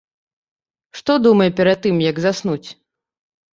Што думае перад тым як заснуць.